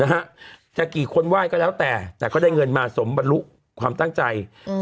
นะฮะจะกี่คนไหว้ก็แล้วแต่แต่ก็ได้เงินมาสมบรรลุความตั้งใจอืม